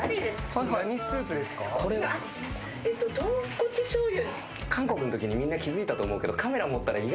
豚骨しょうゆ。